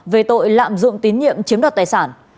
về tội lạm dụng tín nhiệm chiếm đoạt tài sản